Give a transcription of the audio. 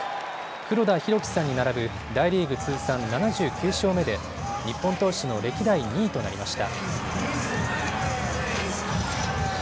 黒田博樹さんにならぶ大リーグ通算７９勝目で、日本投手の歴代２位となりました。